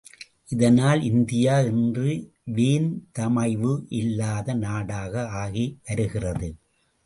இதனால் இந்தியா இன்று வேந்தமைவு இல்லாத நாடாக ஆகி வருகிறது.